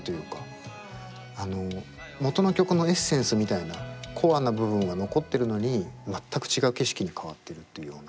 あの元の曲のエッセンスみたいなコアな部分は残ってるのに全く違う景色に変わってるっていうような。